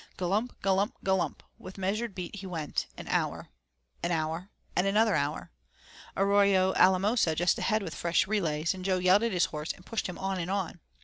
Ga lump, ga lump, ga lump, with measured beat he went an hour an hour, and another hour Arroyo Alamosa just ahead with fresh relays, and Jo yelled at his horse and pushed him on and on.